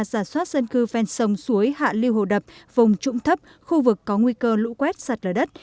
giả soát dân cư ven sông suối hạ lưu hồ đập vùng trũng thấp khu vực có nguy cơ lũ quét sạt lở đất